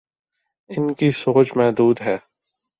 ان کی سوچ محدود ہے۔